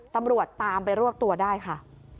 ตำรวจตามไปรวบตัวได้ค่ะ